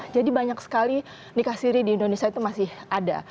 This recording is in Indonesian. jadi banyak sekali nikah siri di indonesia itu masih ada